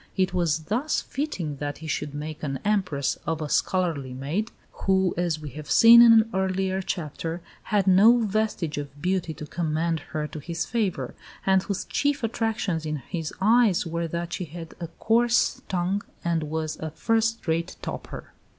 It was thus fitting that he should make an Empress of a scullery maid, who, as we have seen in an earlier chapter, had no vestige of beauty to commend her to his favour, and whose chief attractions in his eyes were that she had a coarse tongue and was a "first rate toper."